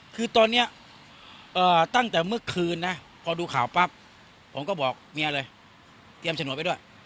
คือตอนนี้ตั้งแต่เมื่อคืนนะพอดูข่าวปั๊บผมก็บอกเมียเลยเตรียมฉนวนไปด้วย